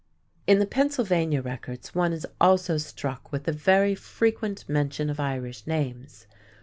In the Pennsylvania records one is also struck with the very frequent mention of Irish names.